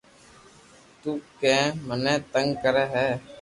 تو ڪو مني تنگ ڪري ھي